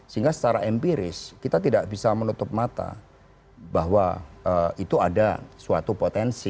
sehingga secara empiris kita tidak bisa menutup mata bahwa itu ada suatu potensi